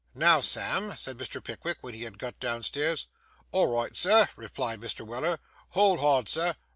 'Now, Sam,' said Mr. Pickwick, when he had got down stairs. 'All right, sir,' replied Mr. Weller. 'Hold hard, sir.